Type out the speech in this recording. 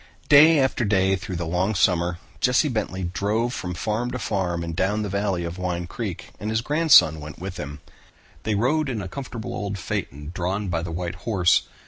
Day after day through the long summer, Jesse Bentley drove from farm to farm up and down the valley of Wine Creek, and his grandson went with him. They rode in a comfortable old phaeton drawn by the white horse.